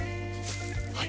はい。